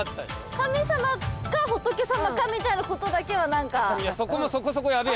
神様か仏様かみたいなことだけは。